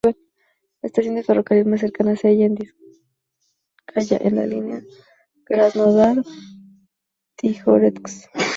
La estación de ferrocarril más cercana se halla en Dinskaya, en la línea Krasnodar-Tijoretsk.